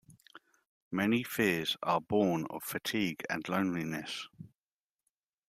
Many fears are born of fatigue and loneliness.